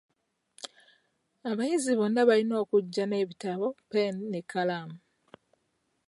Abayizi bonna balina okujja n'ebitabo, ppeeni n'ekkalaamu.